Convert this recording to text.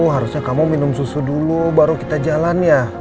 harusnya kamu minum susu dulu baru kita jalan ya